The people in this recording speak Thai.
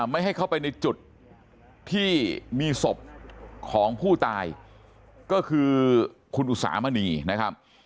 ไม่ให้เข้าไปในจุดที่มีศพของผู้ตายก็คือคุณอุตสามณีนะครับ